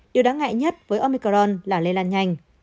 điều đáng ngại nhất với omicron là lây lan nhanh